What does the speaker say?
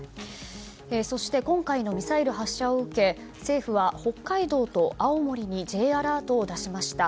そして、今回のミサイル発射を受け、政府は北海道と青森にＪアラートを出しました。